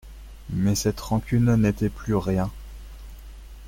Mais cette rancune n'était plus rien.